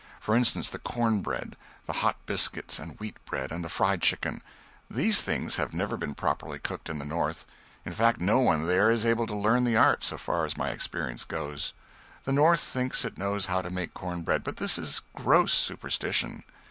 For instance, the corn bread, the hot biscuits and wheat bread, and the fried chicken. These things have never been properly cooked in the North in fact, no one there is able to learn the art, so far as my experience goes. The North thinks it knows how to make corn bread, but this is gross superstition.